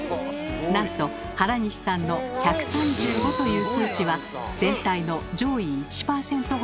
なんと原西さんの１３５という数値は全体の上位１％ほどしかいない